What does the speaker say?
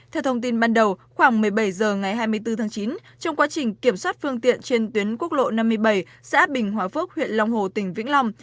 theo thông tin ban đầu khoảng một mươi bảy h ngày hai mươi bốn tháng chín trong quá trình kiểm soát phương tiện trên tuyến quốc lộ năm mươi bảy xã bình hòa phước huyện long hồ tỉnh vĩnh long